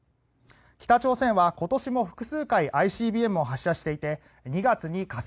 北朝鮮は今年も複数回ＩＣＢＭを発射していて２月に火星